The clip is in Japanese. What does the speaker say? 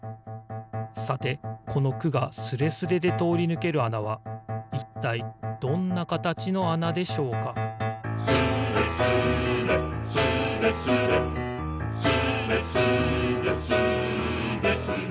さてこの「く」がスレスレでとおりぬけるあなはいったいどんなかたちのあなでしょうか「スレスレスレスレ」「スレスレスーレスレ」